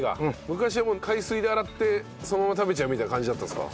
昔はもう海水で洗ってそのまま食べちゃうみたいな感じだったんですか？